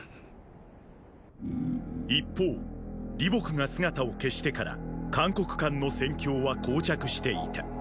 一方李牧が姿を消してから函谷関の戦況は膠着していた。